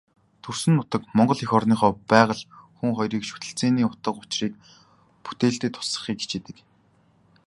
Төрсөн нутаг, Монгол эх орныхоо байгаль, хүн хоёрын шүтэлцээний утга учрыг бүтээлдээ тусгахыг хичээдэг.